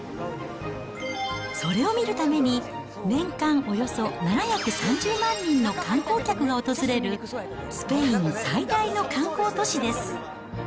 それを見るために、年間およそ７３０万人の観光客が訪れる、スペイン最大の観光都市です。